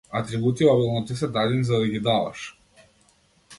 Атрибути обилно ти се дадени за да ги даваш!